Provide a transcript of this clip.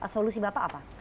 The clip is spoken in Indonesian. solusi bapak apa